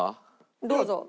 どうぞ。